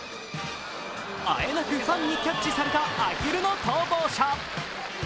あえなくファンにキャッチされたアヒルの逃亡者。